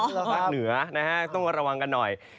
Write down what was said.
แต่กันข้างเหนือต้องมาระวังกันหน่อย